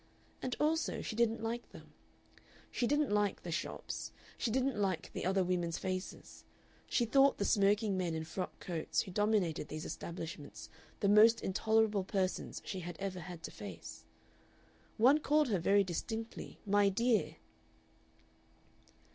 And also she didn't like them. She didn't like the shops, she didn't like the other women's faces; she thought the smirking men in frock coats who dominated these establishments the most intolerable persons she had ever had to face. One called her very distinctly "My dear!"